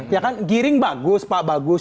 ya kan giring bagus pak bagus